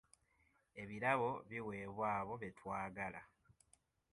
Ebirabo biweebwa abo be twagala.